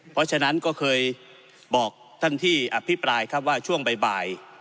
เพราะฉะนั้นก็เคยบอกท่านที่อภิปรายครับว่าช่วงบ่าย